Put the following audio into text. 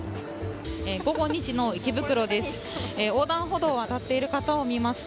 午後２時の池袋です。